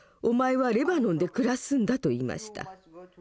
お前はレバノンで暮らすんだ」と言いました。